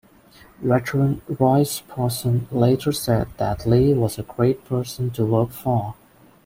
Veteran Roy Sproson later said that Lee was a great person to work for.